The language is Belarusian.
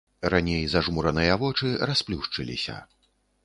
Раней зажмураныя вочы расплюшчыліся.